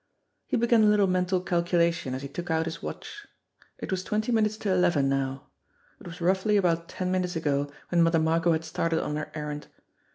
He began a little mental calculation as he took out his watch. It was twenty minutes to eleven now. It was roughly about ten minutes ago when Mother Margot had started on her errand.